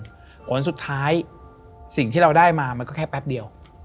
เพราะฉะนั้นสุดท้ายสิ่งที่เราได้มามันก็แค่แป๊บเดียว